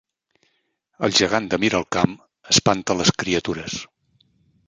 El gegant de Miralcamp espanta les criatures